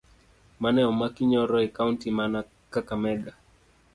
Mane omaki nyoro e kaunti ma kakamega